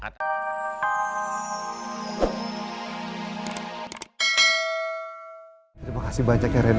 terima kasih banyak ya rena